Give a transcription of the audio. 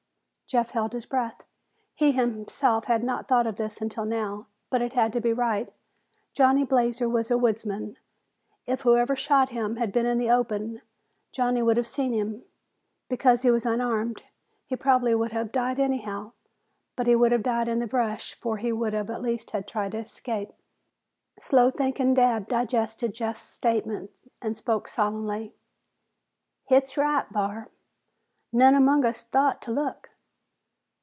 Jeff held his breath. He himself had not thought of this until now, but it had to be right. Johnny Blazer was a woodsman. If whoever shot him had been in the open, Johnny would have seen him. Because he was unarmed, he probably would have died anyhow. But he would have died in the brush for he would at least have tried to escape. Slow thinking Dabb digested Jeff's statement and spoke solemnly. "Hit's right, Barr. None among us thought to look."